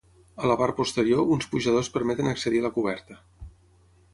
A la part posterior uns pujadors permeten accedir a la coberta.